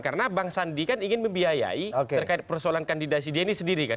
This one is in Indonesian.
karena bang sandi kan ingin membiayai terkait persoalan kandidasi dia ini sendiri kan